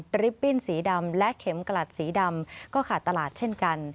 ริปบิ้นสีดำและเข็มกลัดสีดำก็ขาดตลาดเช่นกัน